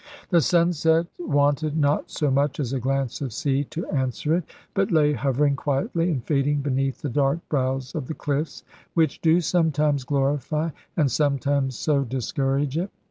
The sunset wanted not so much as a glance of sea to answer it, but lay hovering quietly, and fading beneath the dark brows of the cliffs; which do sometimes glorify, and sometimes so discourage it.